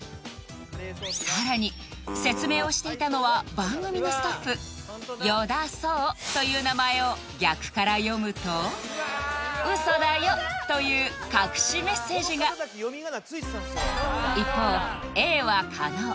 さらに説明をしていたのは番組のスタッフ与田創という名前を逆から読むと「うそだよ」という隠しメッセージが一方Ａは狩野